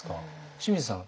清水さん